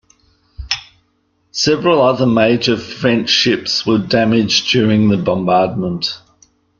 Several other major French ships were damaged during the bombardment.